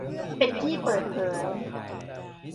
เป็นที่เปิดเผย